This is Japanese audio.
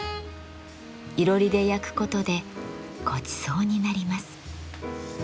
囲炉裏で焼くことでごちそうになります。